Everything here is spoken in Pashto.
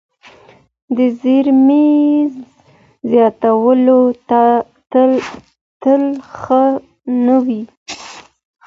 د زیرمې زیاتوالی تل ښه نه وي.